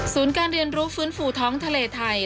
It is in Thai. การเรียนรู้ฟื้นฟูท้องทะเลไทย